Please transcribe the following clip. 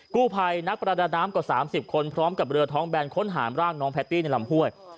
กู้ภัยนักประดาน้ำกว่า๓๐คนพร้อมกับเรือท้องแบนค้นหามร่างน้องแพตตี้ในลำห้วย